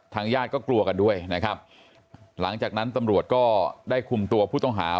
ญาติก็กลัวกันด้วยนะครับหลังจากนั้นตำรวจก็ได้คุมตัวผู้ต้องหา